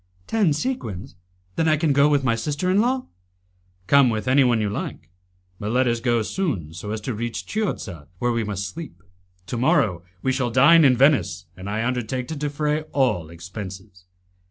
"Ten sequins! Then I can go with my sister in law?" "Come with anyone you like, but let us go soon so as to reach Chiozza, where we must sleep. To morrow we shall dine in Venice, and I undertake to defray all expenses."